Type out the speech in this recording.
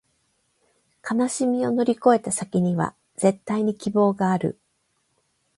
悲しみを乗り越えた先には、絶対に希望がある